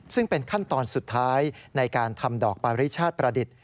ซึ่งเป็นขั้นตอนสุดท้ายในการทำดอกปาริชาติประดิษฐ์